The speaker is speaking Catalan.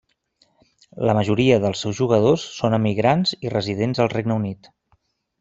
La majoria dels seus jugadors són emigrants i residents al Regne Unit.